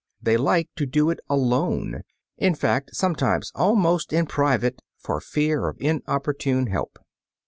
They like to do it alone; in fact, sometimes almost in private for fear of inopportune help.